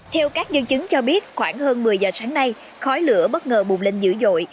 theo các nhân chứng cho biết khoảng hơn một mươi giờ sáng nay khói lửa bất ngờ bùm lên dữ dội